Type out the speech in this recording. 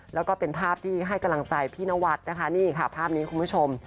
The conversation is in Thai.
แล้วก็เป็นภาพที่ให้กำลังใจพี่นวัดนะคะนี่ค่ะภาพนี้คุณผู้ชม